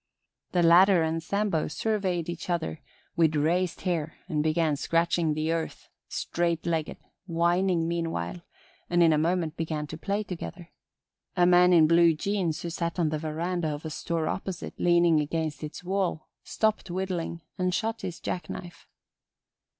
The latter and Sambo surveyed each other with raised hair and began scratching the earth, straight legged, whining meanwhile, and in a moment began to play together. A man in blue jeans who sat on the veranda of a store opposite, leaning against its wall, stopped whittling and shut his jacknife.